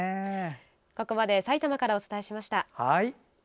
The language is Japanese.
ここまで、埼玉からお伝えしました。